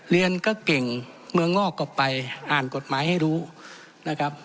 เรียนก็เก่งเมืองงอกก็ไปอ่านกฎหมายให้รู้นะครับ